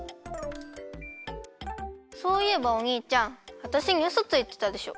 そういえばおにいちゃんわたしにうそついてたでしょ。